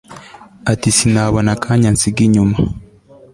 ati sinabona akanyana nsiga inyuma